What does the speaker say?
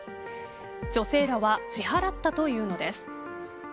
女性らは支払ったというのです。